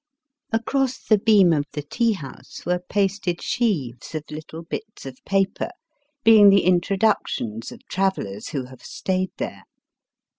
Across the beam of the tea house were pasted sheaves of little bits of paper, being the introductions of travellers who have stayed there.